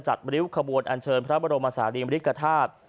จัดบริวขบวนอัญเชิญพระบรมศาลีมริกษาธาตุ